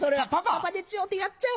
「パパでちゅよ」ってやっちゃう！